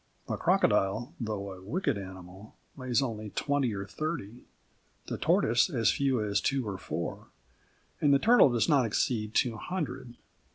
The crocodile, though a wicked animal, lays only twenty or thirty; the tortoise as few as two or four; and the turtle does not exceed two hundred.